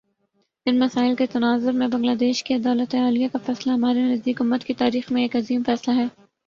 ان مسائل کے تناظر میں بنگلہ دیش کی عدالتِ عالیہ کا فیصلہ ہمارے نزدیک، امت کی تاریخ میں ایک عظیم فیصلہ ہے